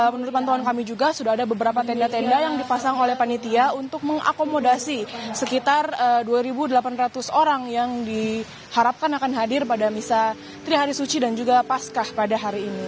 menurut pantauan kami juga sudah ada beberapa tenda tenda yang dipasang oleh panitia untuk mengakomodasi sekitar dua delapan ratus orang yang diharapkan akan hadir pada misa trihari suci dan juga pascah pada hari ini